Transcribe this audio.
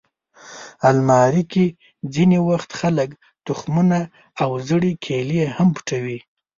الماري کې ځینې وخت خلک تخمونه او زړې کیلې هم پټوي